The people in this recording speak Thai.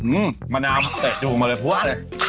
อื้อมะนาวเสะถูกมาเลยพวะเลย